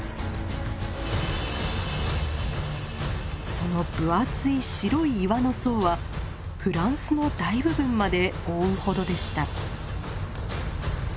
その分厚い白い岩の層はフランスの大部分まで覆うほどでした。